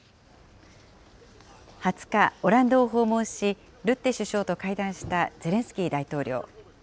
２０日、オランダを訪問し、ルッテ首相と会談したゼレンスキー大統領。